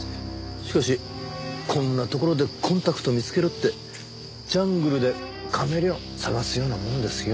しかしこんな所でコンタクト見つけろってジャングルでカメレオン探すようなもんですよ。